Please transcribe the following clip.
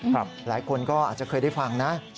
หลายคนก็อาจจะเคยได้ฟังนะ